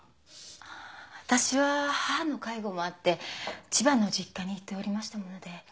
あっ私は母の介護もあって千葉の実家に行っておりましたもので。